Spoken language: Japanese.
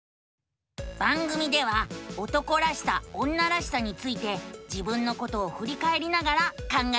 番組では「男らしさ女らしさ」について自分のことをふりかえりながら考えているのさ。